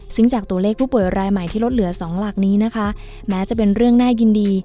ซึ่งจากตัวเลขผู้ป่วยรายใหม่ที่ลดเหลือ๒หลักนี้นะคะแม้จะเป็นเรื่องน่ายินดี